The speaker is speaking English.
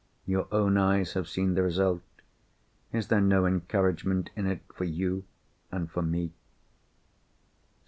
Your own eyes have seen the result. Is there no encouragement in it for you and for me?"